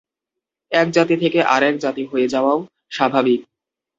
এক জাতি থেকে আর এক জাতি হয়ে যাওয়াও স্বাভাবিক।